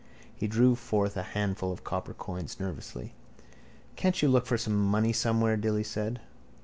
He drew forth a handful of copper coins, nervously. —Can't you look for some money somewhere? Dilly said.